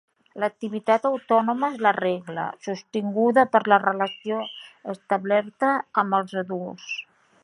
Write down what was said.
L'activitat autònoma és la regla, sostinguda per la relació establerta amb els adults.